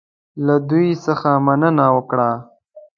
له دوی څخه مننه وکړه.